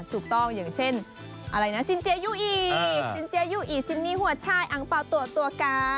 ถูกต้องอย่างเช่นซินเจยุอีซินนีหัวชายอังเปาตัวตัวกาย